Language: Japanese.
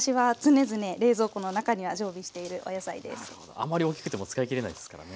あまり大きくても使いきれないですからね。